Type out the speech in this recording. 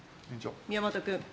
宮本君。